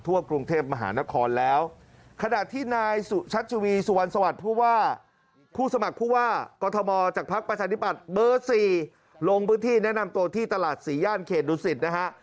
ซึ่งพื้นที่แนะนำตัวที่ตลาดศรีย่านเขตดุษฎิ์นะฮะ